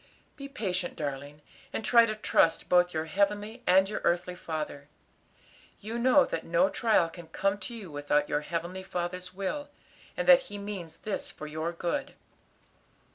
Be patient, darling, and try to trust both your heavenly and your earthly father. You know that no trial can come to you without your heavenly Father's will, and that He means this for your good.